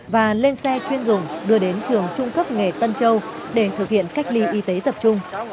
và lên xe chuyên dùng đưa đến trường trung cấp nghề tân châu để thực hiện cách ly y tế tập trung